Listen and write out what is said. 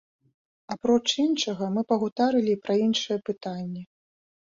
Апроч іншага мы пагутарылі і пра іншыя пытанні.